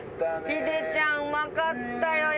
ヒデちゃんうまかったよ。